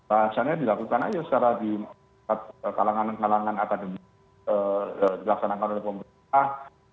secara di kalangan kalangan atau dilaksanakan oleh pemerintah